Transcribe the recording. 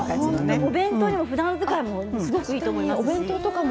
お弁当にもふだん使いにもすごくいいと思います。